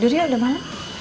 duduk ya udah malam